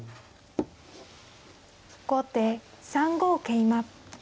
後手３五桂馬。